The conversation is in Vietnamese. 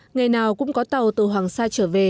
ngày nào cũng có tàu từ hoàng sa trở về